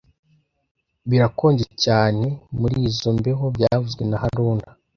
Birakonje cyane murizoi mbeho byavuzwe na haruna